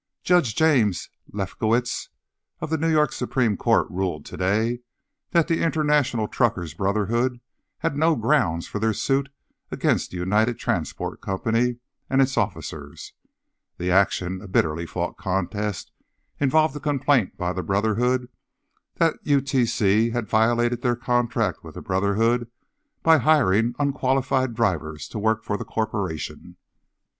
Judge James Lefkowitz of the New York Supreme Court ruled today that the International Truckers' Brotherhood had no grounds for their suit against the United Transport Corp. and its officers. The action, a bitterly fought contest, involved a complaint by the Brotherhood that UTC had violated their contract with the Brotherhood by hiring "unqualified drivers" to work for the corporation.